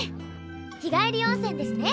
日帰り温泉ですね。